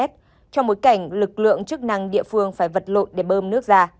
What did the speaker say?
trong bối cảnh lực lượng chức năng địa phương phải vật lộn để bơm nước ra